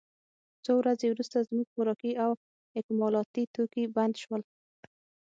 څو ورځې وروسته زموږ خوراکي او اکمالاتي توکي بند شول